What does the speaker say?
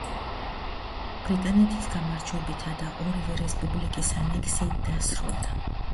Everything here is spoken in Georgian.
ბრიტანეთის გამარჯვებითა და ორივე რესპუბლიკის ანექსიით დასრულდა.